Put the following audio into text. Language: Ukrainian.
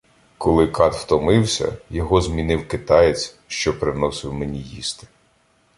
Коли кат втомився, його змінив китаєць, що приносив мені їсти.